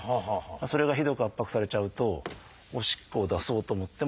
それがひどく圧迫されちゃうとおしっこを出そうと思っても出ない。